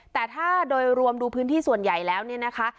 แต่ถ้าโดยรวมดูพื้นที่ส่วนใหญ่แล้วเนี่ยนะคะ